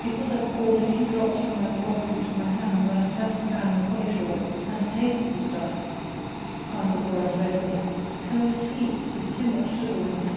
"Because I poured a few drops from that bottle into my hand when I first found Collishaw and tasted the stuff," answered Bryce readily. "Cold tea! with too much sugar in it.